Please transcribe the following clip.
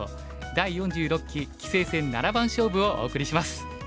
第４６期棋聖戦七番勝負」をお送りします。